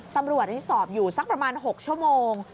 ตำรวจที่สอบอยู่สักประมาณ๖ชั่วโมง